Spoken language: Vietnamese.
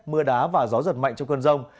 mưa đá và gió giật mạnh trong cơn rông